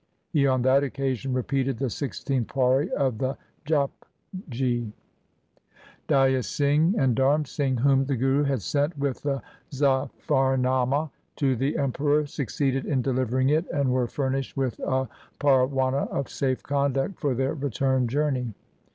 He on that occasion repeated the sixteenth pauri of the Japji. Daya Singh and Dharm Singh, whom the Guru had sent with the Zafarnama to the Emperor, suc ceeded in delivering it, and were furnished with a parwana of safe conduct for their return journey.